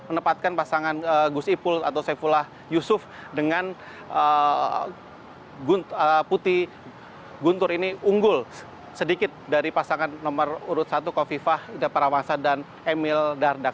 menempatkan pasangan gus ipul atau saifullah yusuf dengan putih guntur ini unggul sedikit dari pasangan nomor urut satu kofifah parawangsa dan emil dardak